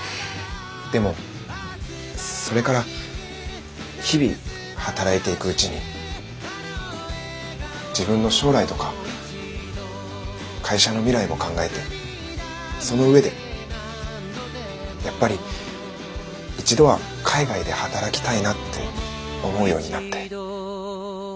でもそれから日々働いていくうちに自分の将来とか会社の未来も考えてその上でやっぱり一度は海外で働きたいなって思うようになって。